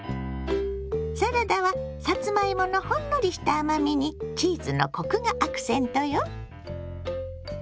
サラダはさつまいものほんのりした甘みにチーズのコクがアクセントよ。